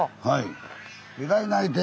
はい。